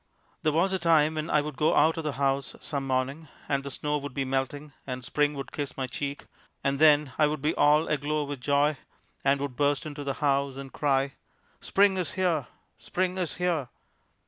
There was a time when I would go out of the house some morning, and the snow would be melting, and Spring would kiss my cheek, and then I would be all aglow with joy and would burst into the house, and cry: "Spring is here! Spring is here!"